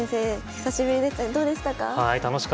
久しぶりでしたがどうでしたか？